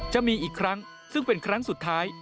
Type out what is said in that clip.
จะมีอีกครั้งซึ่งเป็นครั้งสุดท้าย